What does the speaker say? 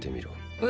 え？